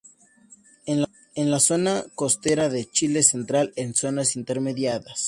En la zona costera de Chile central, en zonas intermedias.